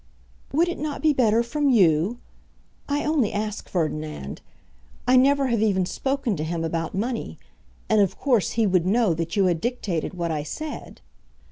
"Would it not be better from you? I only ask, Ferdinand. I never have even spoken to him about money, and of course he would know that you had dictated what I said."